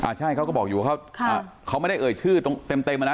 ใช่เขาก็บอกอยู่ว่าเขาไม่ได้เอ่ยชื่อตรงเต็มอ่ะนะ